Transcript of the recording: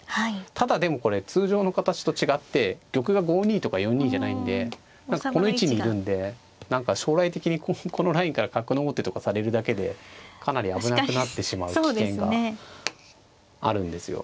ただでもこれ通常の形と違って玉が５二とか４二じゃないんでこの位置にいるんで将来的にこのラインから角の王手とかされるだけでかなり危なくなってしまう危険があるんですよ。